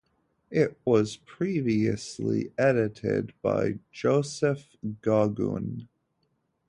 It was previously edited by Joseph Goguen.